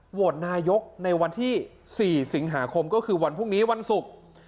โหวตนายกในวันที่๔สิงหาคมก็คือวันพรุ่งนี้วันศุกร์